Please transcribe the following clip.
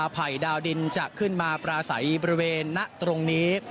ภัยดาวดินจะขึ้นมาปราศัยบริเวณณตรงนี้